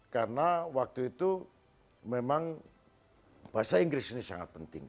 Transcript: karena waktu itu memang bahasa inggris ini sangat penting